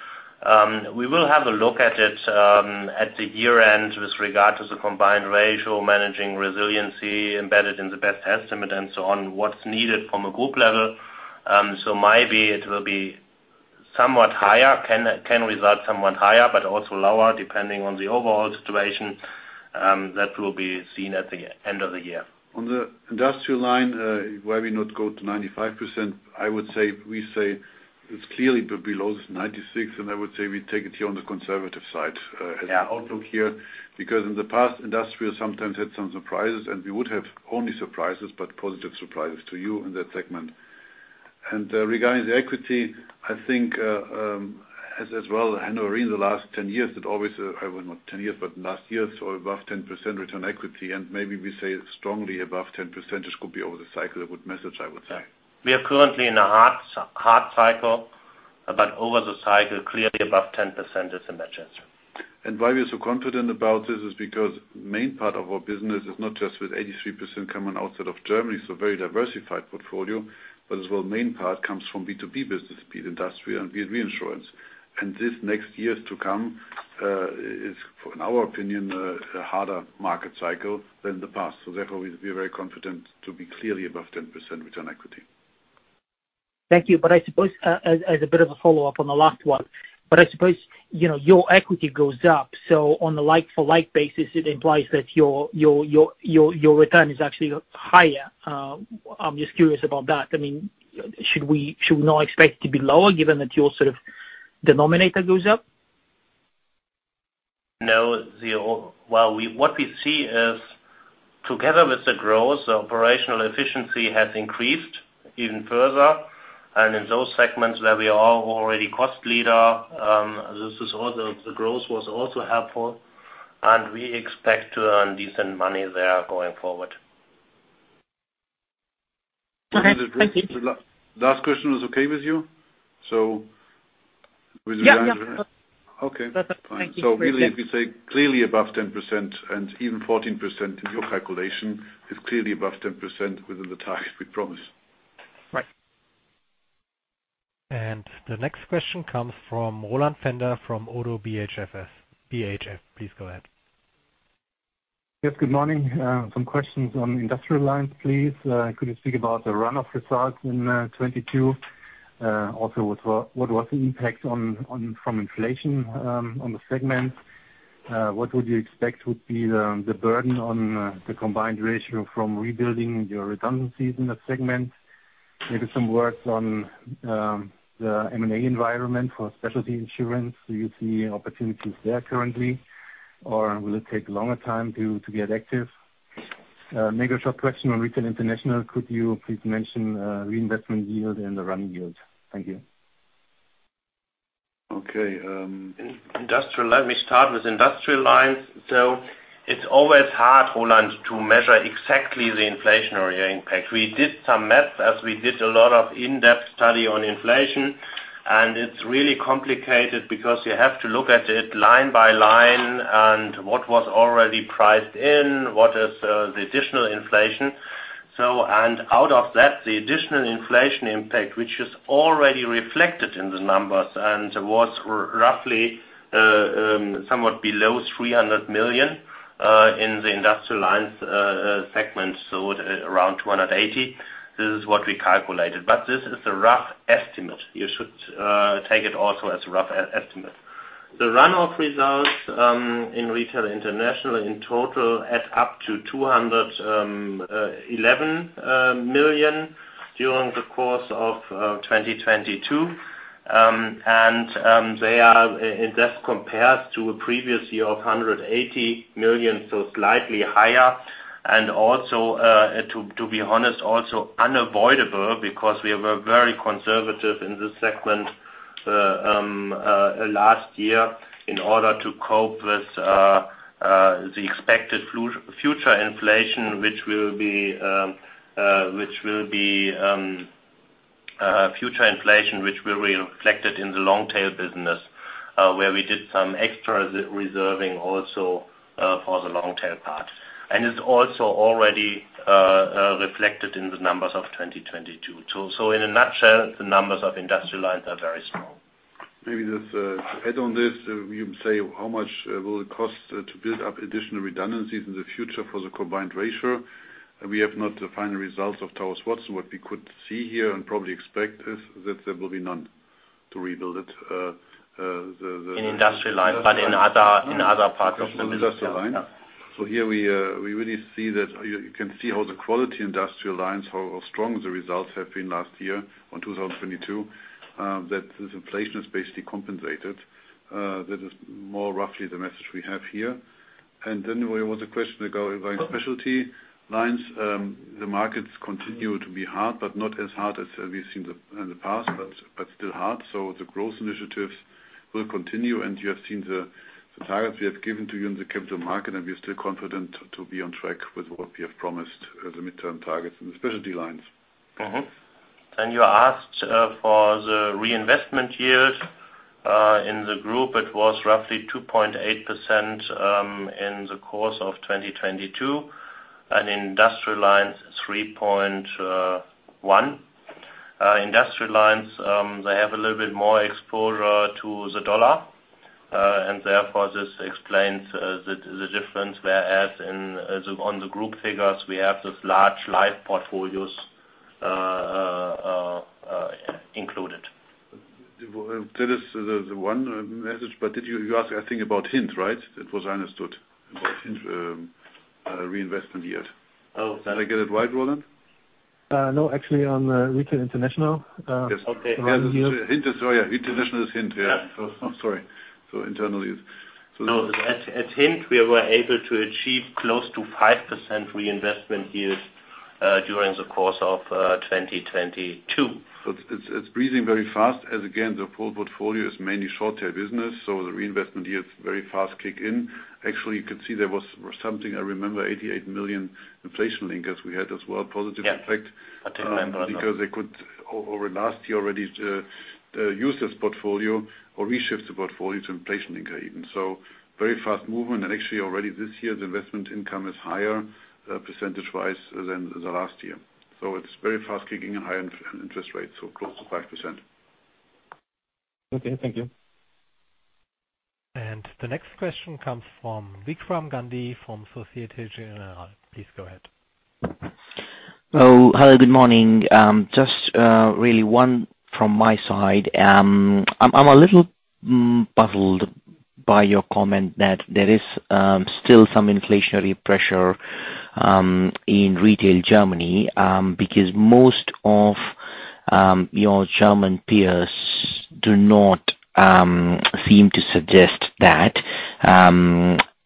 S4: We will have a look at it at the year-end with regard to the combined ratio, managing resiliency embedded in the best estimate and so on, what's needed from a group level. Maybe it will be somewhat higher, can result somewhat higher, but also lower, depending on the overall situation, that will be seen at the end of the year.
S3: On the industrial line, why we not go to 95%, I would say, we say it's clearly below this 96%, and I would say we take it here on the conservative side.
S4: Yeah
S3: Outlook here, because in the past, Industrial sometimes had some surprises, and we would have only surprises, but positive surprises to you in that segment. Regarding the equity, I think, as well, I know in the last 10 years that always, or not 10 years, but last year, so above 10% return equity, and maybe we say strongly above 10%, this could be over the cycle, a good message, I would say.
S4: We are currently in a hard cycle, but over the cycle, clearly above 10% is the message.
S3: Why we are so confident about this is because main part of our business is not just with 83% coming outside of Germany, it's a very diversified portfolio, but as well, main part comes from B2B business, be it industrial and re-reinsurance. This next years to come, is, in our opinion, a harder market cycle than the past. Therefore, we are very confident to be clearly above 10% return equity.
S6: Thank you. I suppose, as a bit of a follow-up on the last one, but I suppose, you know, your equity goes up. On a like-for-like basis, it implies that your return is actually higher. I'm just curious about that. I mean, should we now expect it to be lower given that your sort of denominator goes up?
S4: Well, what we see is together with the growth, the operational efficiency has increased even further. In those segments where we are already cost leader, the growth was also helpful, and we expect to earn decent money there going forward.
S6: All right. Thank you.
S3: Last question was okay with you?
S6: Yeah, yeah.
S3: Okay.
S6: Perfect. Thank you.
S3: Really, if you say clearly above 10% and even 14% in your calculation, is clearly above 10% within the target we promised.
S6: Right.
S1: The next question comes from Roland Pfänder from ODDO BHF. Please go ahead.
S7: Yes, good morning. Some questions on Industrial Lines, please. Could you speak about the run-off results in 2022? Also, what was the impact from inflation on the segment? What would you expect would be the burden on the combined ratio from rebuilding your redundancies in the segment? Maybe some words on the M&A environment for specialty insurance. Do you see opportunities there currently, or will it take longer time to get active? Mega short question on Retail International. Could you please mention reinvestment yield and the running yield? Thank you.
S3: Okay.
S4: Industrial. Let me start with Industrial Lines. It's always hard, Roland, to measure exactly the inflationary impact. We did some math, as we did a lot of in-depth study on inflation, and it's really complicated because you have to look at it line by line and what was already priced in, what is the additional inflation. Out of that, the additional inflation impact, which is already reflected in the numbers and was roughly somewhat below 300 million in the Industrial Lines segment, around 280. This is what we calculated. This is a rough estimate. You should take it also as a rough estimate. The run-off results in Retail International in total add up to 211 million during the course of 2022. They are, and that compares to a previous year of 180 million, so slightly higher. Also, to be honest, also unavoidable because we were very conservative in this segment last year in order to cope with the expected future inflation, which will be future inflation, which will be reflected in the long tail business, where we did some extra reserving also for the long tail part. It's also already reflected in the numbers of 2022 too. In a nutshell, the numbers of Industrial Lines are very small.
S3: Maybe just to add on this, you say how much will it cost to build up additional redundancies in the future for the combined ratio? We have not the final results of Towers Watson. What we could see here and probably expect is that there will be none to rebuild it.
S4: In Industrial Lines, but in other parts of the business.
S3: Industrial Lines. Here we really see that, you can see how the quality Industrial Lines, how strong the results have been last year on 2022. That this inflation is basically compensated. That is more roughly the message we have here. There was a question ago about specialty lines. The markets continue to be hard, but not as hard as we've seen in the past, still hard. The growth initiatives will continue. You have seen the targets we have given to you in the capital market, and we are still confident to be on track with what we have promised the midterm targets in the specialty lines.
S4: You asked for the reinvestment yield. In the group, it was roughly 2.8% in the course of 2022, and Industrial Lines, 3.1%. Industrial Lines, they have a little bit more exposure to the dollar. Therefore, this explains the difference, whereas on the group figures, we have these large life portfolios included.
S3: That is the one message. Did you ask, I think, about Hint, right? That was understood. About Hint, reinvestment yield.
S4: Oh.
S3: Did I get it right, Roland?
S7: No, actually, on Retail International.
S3: Yes.
S4: Okay.
S3: Hint. Oh, yeah. International is Hint. Yeah. Sorry.
S4: No, at hint, we were able to achieve close to 5% reinvestment yields during the course of 2022.
S3: It's breathing very fast as again, the full portfolio is mainly short-tail business, so the reinvestment yields very fast kick in. Actually, you can see there was something I remember 88 million inflation-linked bonds we had as well, positive effect.
S4: Yeah. I do remember.
S3: Because they could over last year already, use this portfolio or reshift the portfolio to inflation linker even. Very fast movement. Actually already this year, the investment income is higher, percentage-wise than the last year. It's very fast kicking in higher interest rates, so close to 5%.
S4: Okay, thank you.
S1: The next question comes from Vikram Gandhi from Société Générale. Please go ahead.
S8: Hello, good morning. Just really one from my side. I'm a little puzzled by your comment that there is still some inflationary pressure in Retail Germany because most of your German peers do not seem to suggest that.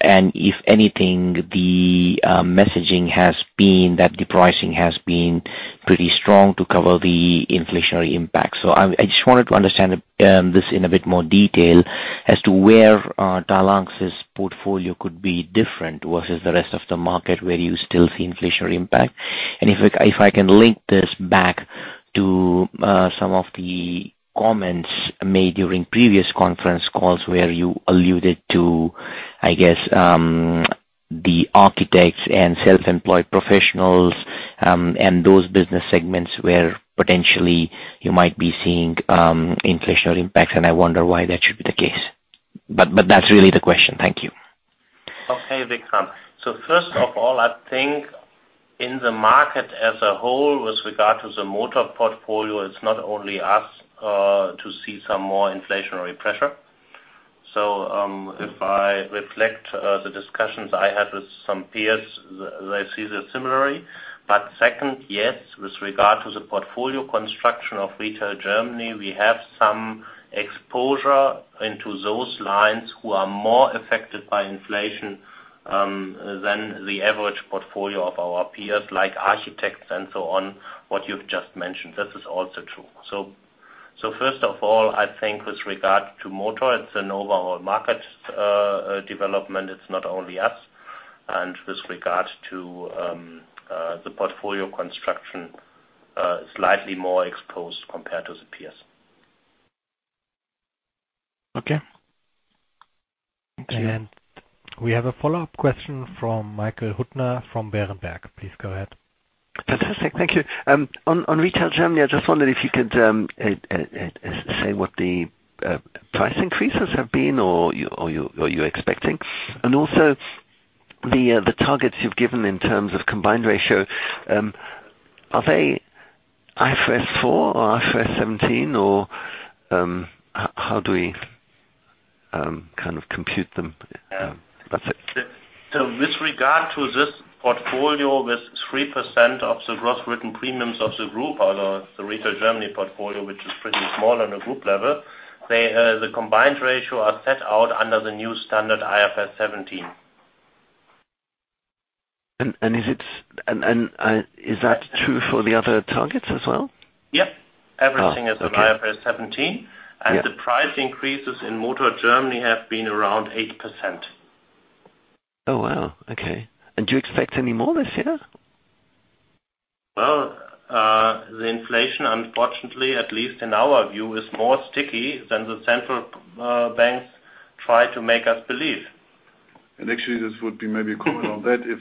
S8: If anything, the messaging has been that the pricing has been pretty strong to cover the inflationary impact. I just wanted to understand this in a bit more detail as to where Talanx's portfolio could be different versus the rest of the market where you still see inflationary impact. If I can link this back to some of the comments made during previous conference calls where you alluded to, I guess, the architects and self-employed professionals, and those business segments where potentially you might be seeing, inflationary impacts, and I wonder why that should be the case. That's really the question. Thank you.
S4: Okay, Vikram. First of all, I think in the market as a whole, with regard to the motor portfolio, it's not only us to see some more inflationary pressure. If I reflect the discussions I had with some peers, they see that similarly. Second, yes, with regard to the portfolio construction of Retail Germany, we have some exposure into those lines who are more affected by inflation than the average portfolio of our peers, like architects and so on, what you've just mentioned. This is also true. First of all, I think with regard to motor, it's an overall market development. It's not only us. With regards to the portfolio construction, slightly more exposed compared to the peers.
S8: Okay. Thank you.
S1: We have a follow-up question from Michael Huttner from Berenberg. Please go ahead.
S5: Fantastic. Thank you. On Retail Germany, I just wondered if you could say what the price increases have been or you're expecting. Also, the targets you've given in terms of combined ratio, are they IFRS 4 or IFRS 17 or how do we kind of compute them? That's it.
S4: With regard to this portfolio, with 3% of the gross written premiums of the group or the Retail Germany portfolio, which is pretty small on a group level. They, the combined ratio is set out under the new standard IFRS 17.
S5: Is that true for the other targets as well?
S4: Yep.
S5: Oh, okay.
S4: Everything is on IFRS 17.
S5: Yeah.
S4: The price increases in motor Germany have been around 8%.
S5: Oh, wow. Okay. Do you expect any more this year?
S4: Well, the inflation, unfortunately, at least in our view, is more sticky than the central banks try to make us believe.
S3: Actually this would be maybe a comment on that if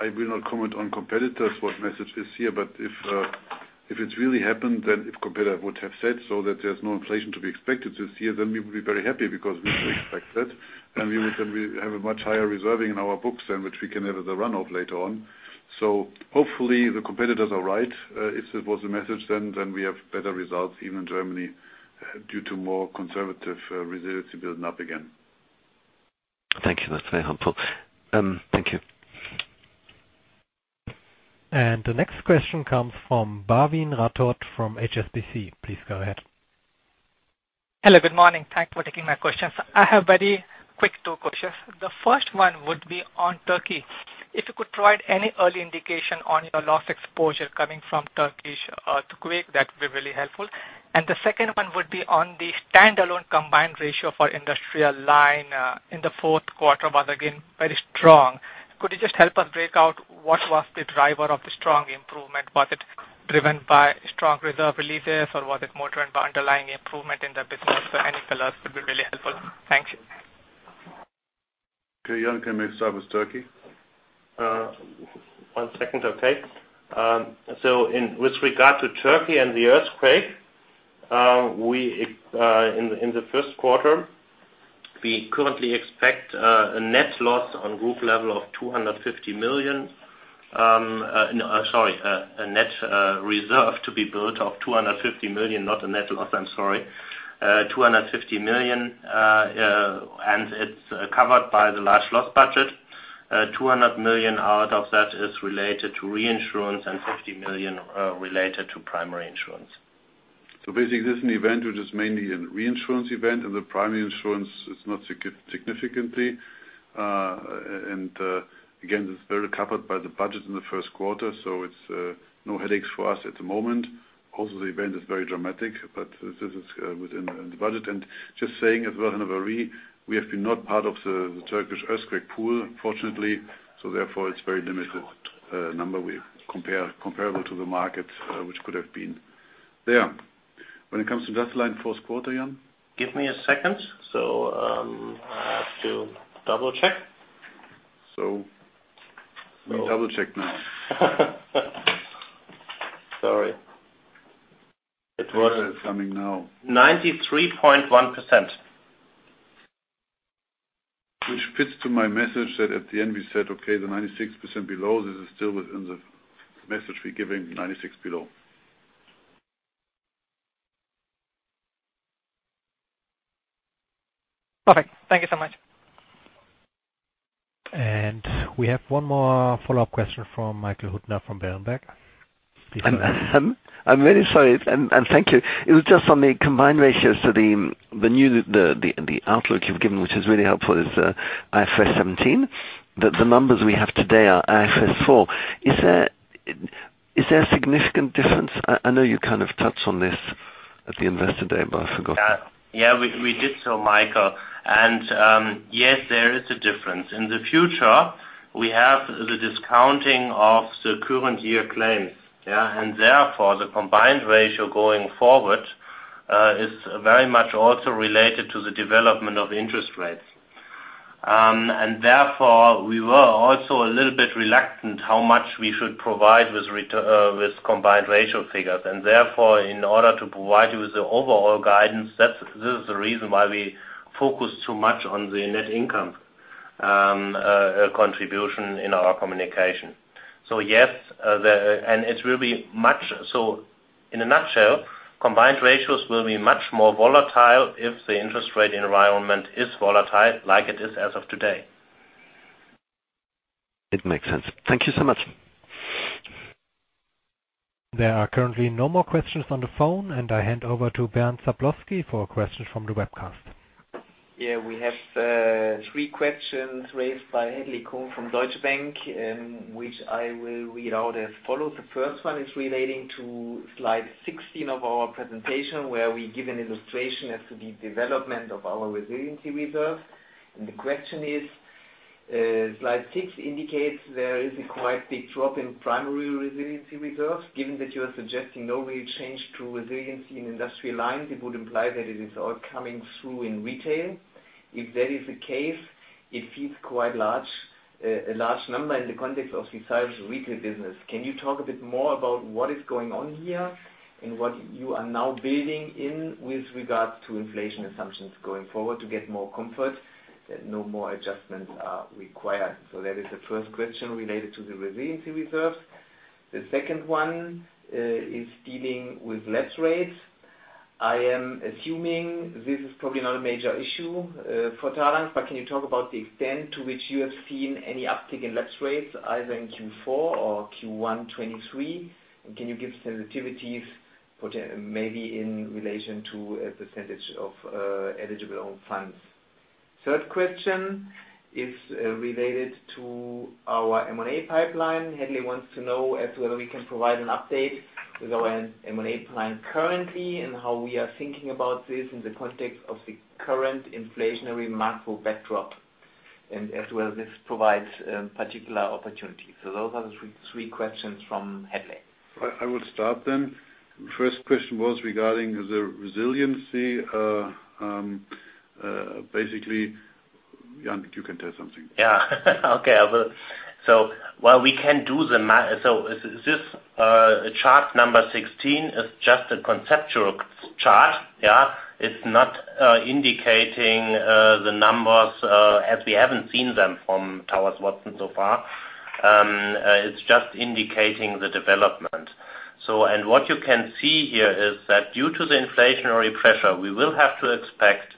S3: I will not comment on competitors what message is here. If it's really happened, then if competitor would have said so that there's no inflation to be expected this year, then we would be very happy because we expect that. We would then have a much higher reserving in our books than which we can have the run of later on. Hopefully the competitors are right. If it was a message then we have better results even in Germany due to more conservative resiliency building up again.
S5: Thank you. That's very helpful. Thank you.
S1: The next question comes from Bhavin Rathod from HSBC. Please go ahead.
S9: Hello, good morning. Thank you for taking my questions. I have very quick two questions. The first one would be on Turkey. If you could provide any early indication on your loss exposure coming from Turkish earthquake, that would be really helpful. The second one would be on the stand-alone combined ratio for Industrial Lines in the fourth quarter was again, very strong. Could you just help us break out what was the driver of the strong improvement? Was it driven by strong reserve releases, or was it more driven by underlying improvement in the business? Any colors would be really helpful. Thank you.
S3: Okay. Jan can maybe start with Turkey.
S4: One second. Okay. In with regard to Turkey and the earthquake, we in the first quarter, we currently expect a net loss on group level of 250 million. No, sorry, a net reserve to be built of 250 million, not a net loss, I'm sorry. 250 million. It's covered by the large loss budget. 200 million out of that is related to reinsurance and 50 million related to primary insurance.
S3: Basically, this is an event which is mainly a reinsurance event, and the primary insurance is not significantly. Again, this is very covered by the budget in the first quarter, so it's no headaches for us at the moment. The event is very dramatic, but this is within the budget. Just saying as well, Henry, we have been not part of the Turkish earthquake pool, fortunately, so therefore it's very limited number comparable to the market which could have been there. When it comes to just line fourth quarter, Jan.
S4: Give me a second. I have to double-check.
S3: Double-check now.
S4: Sorry.
S3: Answer is coming now.
S4: 93.1%.
S3: Which fits to my message that at the end we said, okay, the 96% below this is still within the message we're giving, 96 below.
S6: Perfect. Thank you so much.
S1: We have one more follow-up question from Michael Huttner from Berenberg.
S5: I'm really sorry, and thank you. It was just on the combined ratios to the outlook you've given, which is really helpful, is IFRS 17. The numbers we have today are IFRS 4. Is there a significant difference? I know you kind of touched on this at the investor day, but I forgot.
S4: Yeah. We did so, Michael. Yes, there is a difference. In the future, we have the discounting of the current year claims, yeah. Therefore, the combined ratio going forward, is very much also related to the development of interest rates. Therefore, we were also a little bit reluctant how much we should provide with combined ratio figures. Therefore, in order to provide you with the overall guidance, this is the reason why we focus so much on the net income contribution in our communication. Yes. In a nutshell, combined ratios will be much more volatile if the interest rate environment is volatile like it is as of today.
S5: It makes sense. Thank you so much.
S1: There are currently no more questions on the phone, and I hand over to Bernd Sablowsky for questions from the webcast.
S2: Yeah, we have three questions raised by Hadley Cohen from Deutsche Bank, which I will read out as follows. The first one is relating to slide 16 of our presentation, where we give an illustration as to the development of our resilience reserves. The question is, slide 6 indicates there is a quite big drop in primary resilience reserves. Given that you are suggesting no real change to resiliency in Industrial Lines, it would imply that it is all coming through in Retail. If that is the case, it seems quite large, a large number in the context of the size of Retail business. Can you talk a bit more about what is going on here and what you are now building in with regards to inflation assumptions going forward to get more comfort that no more adjustments are required? That is the first question related to the resilience reserves. The second one is dealing with lapse rates. I am assuming this is probably not a major issue for Talanx, but can you talk about the extent to which you have seen any uptick in lapse rates either in Q4 or Q1 2023? Can you give sensitivities maybe in relation to a percentage of eligible owned funds? Third question is related to our M&A pipeline. Hadley wants to know as to whether we can provide an update with our M&A pipeline currently and how we are thinking about this in the context of the current inflationary macro backdrop, as well this provides particular opportunities. Those are the three questions from Hadley.
S3: I will start then. First question was regarding the resiliency. Basically, Jan, you can tell something.
S4: Yeah. Okay. I will. While we can do the chart number 16 is just a conceptual chart. It's not indicating the numbers as we haven't seen them from Willis Towers Watson so far. It's just indicating the development. What you can see here is that due to the inflationary pressure, we will have to expect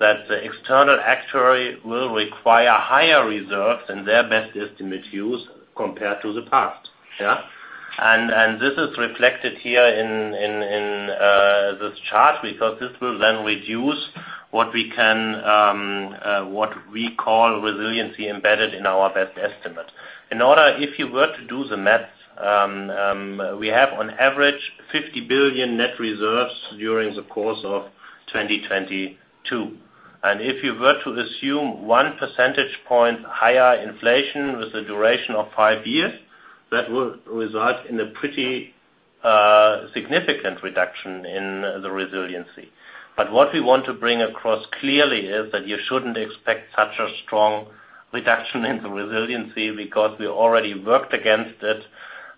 S4: that the external actuary will require higher reserves than their best estimate use compared to the past. This is reflected here in this chart because this will then reduce what we can what we call resiliency embedded in our best estimate. In order, if you were to do the maths, we have on average 50 billion net reserves during the course of 2022. If you were to assume one percentage point higher inflation with a duration of five years, that will result in a pretty, significant reduction in the resiliency. What we want to bring across clearly is that you shouldn't expect such a strong reduction in the resiliency because we already worked against it,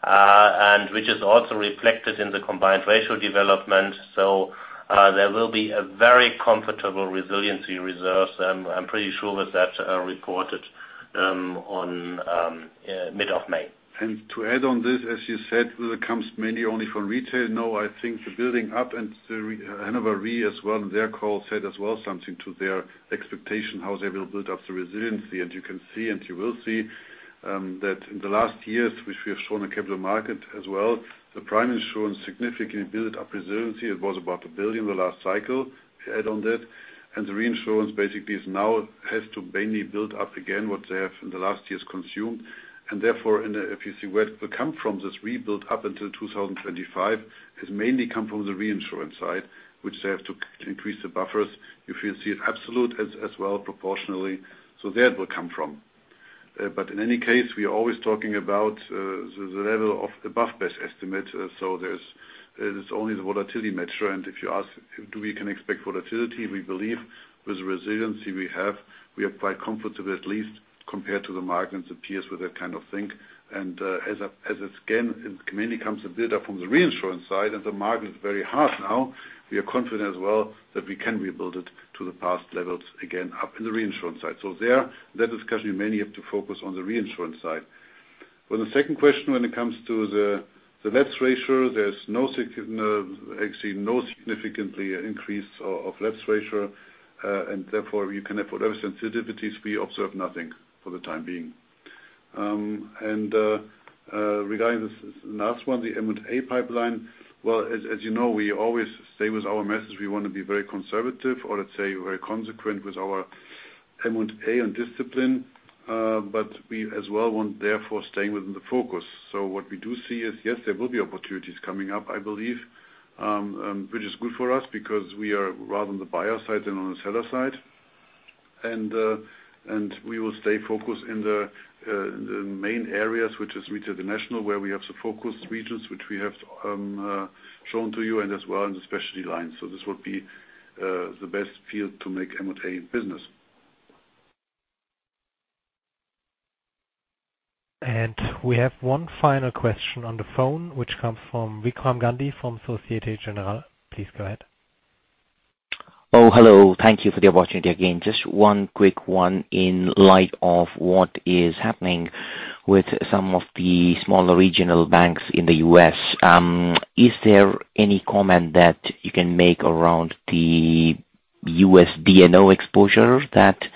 S4: and which is also reflected in the combined ratio development. There will be a very comfortable resiliency reserve. I'm pretty sure that that, reported. Mid of May.
S3: To add on this, as you said, it comes mainly only from retail. Now, I think the building up and Hannover Re as well, in their call, said as well something to their expectation, how they will build up the resiliency. You can see, and you will see, that in the last years, which we have shown in capital market as well, the prime insurance significantly build up resiliency. It was about 1 billion the last cycle, add on that. The reinsurance basically has to mainly build up again what they have in the last years consumed. Therefore, if you see where it will come from, this rebuild up until 2025, has mainly come from the reinsurance side, which they have to increase the buffers. If you see it absolute as well proportionally, there it will come from. In any case, we are always talking about the level of above best estimate. There's only the volatility metric. If you ask can expect volatility, we believe with the resiliency we have, we are quite comfortable, at least compared to the markets and peers with that kind of thing. As a, as a scan, it mainly comes to build up from the reinsurance side, and the market is very hard now. We are confident as well that we can rebuild it to the past levels again up in the reinsurance side. There, that discussion, we mainly have to focus on the reinsurance side. For the second question, when it comes to the LEPS ratio, there's actually no significantly increase of LEPS ratio. Therefore, you can have whatever sensitivities, we observe nothing for the time being. Regarding this last one, the M&A pipeline, well, as you know, we always stay with our message. We wanna be very conservative, or let's say very consequent with our M&A and discipline, we as well want, therefore, staying within the focus. What we do see is, yes, there will be opportunities coming up, I believe, which is good for us because we are rather on the buyer side than on the seller side. We will stay focused in the main areas, which is Retail and national, where we have the focus regions, which we have shown to you, and as well in the specialty lines. This would be the best field to make M&A business.
S1: We have one final question on the phone, which comes from Vikram Gandhi from Société Générale. Please go ahead.
S8: Hello. Thank you for the opportunity again. Just one quick one. In light of what is happening with some of the smaller regional banks in the U.S., is there any comment that you can make around the U.S. D&O exposure that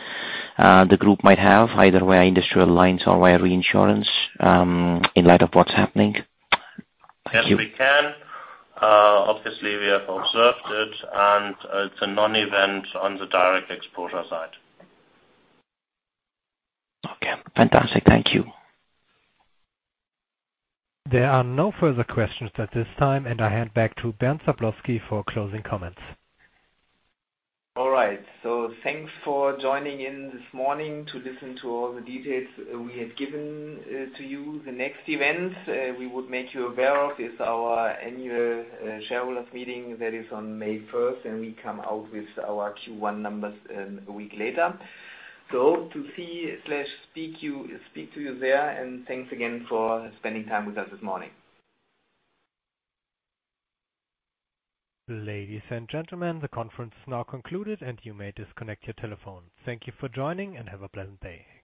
S8: the group might have, either via Industrial Lines or via reinsurance, in light of what's happening?
S3: Yes, we can. Obviously, we have observed it, and, it's a non-event on the direct exposure side.
S8: Okay, fantastic. Thank you.
S1: There are no further questions at this time, and I hand back to Bernd Sablowsky for closing comments.
S2: All right. Thanks for joining in this morning to listen to all the details we have given to you. The next events we would make you aware of is our annual shareholders meeting. That is on May 1st, and we come out with our Q1 numbers a week later. To speak to you there, and thanks again for spending time with us this morning.
S1: Ladies and gentlemen, the conference is now concluded, and you may disconnect your telephone. Thank you for joining and have a pleasant day.